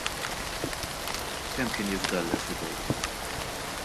Kemm kien jifdallek f'idejk?